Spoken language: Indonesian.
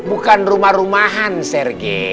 bukan rumah rumahan sergei